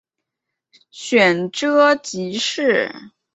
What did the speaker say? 选庶吉士。